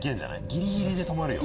ギリギリで止まるよ。